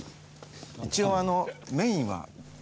一応あのメインは。